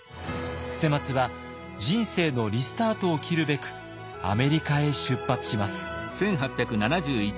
捨松は人生のリスタートを切るべくアメリカへ出発します。